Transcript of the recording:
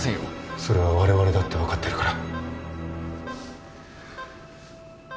それはわれわれだって分かってるから。